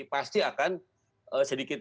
pasti akan sedikit